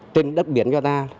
trên đất biển cho ta